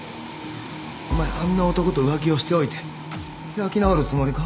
お前あんな男と浮気をしておいて開き直るつもりか？